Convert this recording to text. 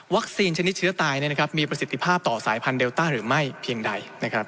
ชนิดเชื้อตายมีประสิทธิภาพต่อสายพันธุเดลต้าหรือไม่เพียงใด